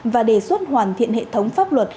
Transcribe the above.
và đề xuất hoàn thiện hệ thống pháp luật